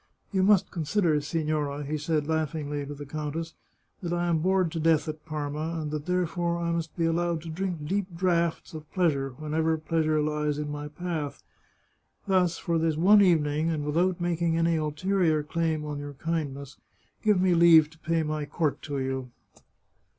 " You must consider, signora," he said laughingly to the countess, " that I am bored to death at Parma, and that therefore I must be allowed to drink deep draughts of pleasure whenever pleasure lies in my path. Thus, for this one evening, and without making any ulterior claim on your kindness, give me leave to pay my court to you.